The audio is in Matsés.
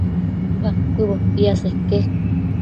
Bacuëbo piaseque